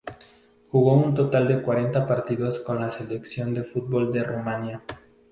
Jugó un total de cuarenta partidos con la selección de fútbol de Rumania.